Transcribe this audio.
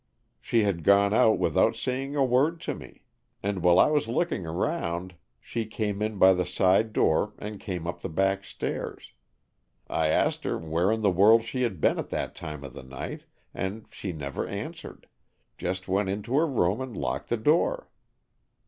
She had gone out without saying a word to me. And while I was looking around she came in by the side door and came up the back stairs. I asked her where in the world she had been at that time of the night, and she never answered, just went in to her room and locked the door.